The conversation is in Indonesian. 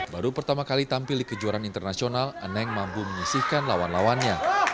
baru pertama kali tampil di kejuaraan internasional eneng mampu menyisihkan lawan lawannya